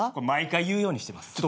毎回言うようにしてます。